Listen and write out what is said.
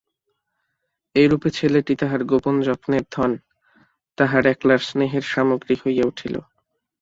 এইরূপে ছেলেটি তাহার গোপন যত্নের ধন, তাহার একলার স্নেহের সামগ্রী হইয়া উঠিল।